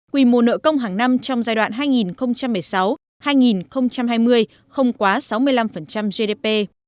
quy mô nợ công hàng năm trong giai đoạn hai nghìn một mươi sáu hai nghìn hai mươi không quá sáu mươi năm gdp